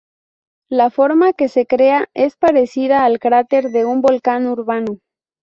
La forma que se crea es parecida al cráter de un volcán urbano.